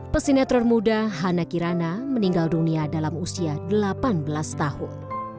pesinetron muda hana kirana meninggal dunia dalam usia delapan belas tahun